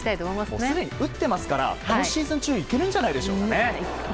もうすでに打っていますから今シーズン中にいけるんじゃないでしょうか。